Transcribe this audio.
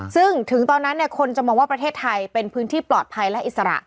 ซึ่งถึงตอนนั้นคนจะมองว่าประเทศไทยเป็นพื้นที่ปลอดภัยและอิสระ